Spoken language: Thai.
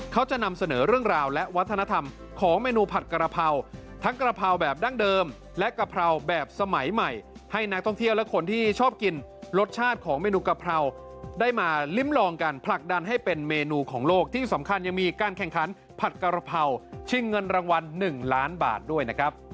เขาจะนำเสนอเรื่องราวและวัฒนธรรมของเมนูผัดกระเพราทั้งกระเพราแบบดั้งเดิมและกะเพราแบบสมัยใหม่ให้นักท่องเที่ยวและคนที่ชอบกินรสชาติของเมนูกะเพราได้มาลิ้มลองกันผลักดันให้เป็นเมนูของโลกที่สำคัญยังมีการแข่งขันผัดกระเพราชิงเงินรางวัล๑ล้านบาทด้วยนะครับ